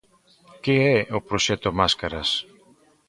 Que é o Proxecto Máscaras?